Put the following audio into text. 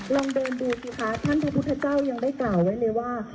ลองเดินดูสิคะท่านพระพุทธเจ้ายังได้กล่าวไว้เลยว่า